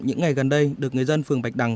những ngày gần đây được người dân phường bạch đằng